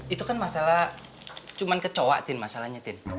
itu kan masalah cuman kecoh kacauan mas tien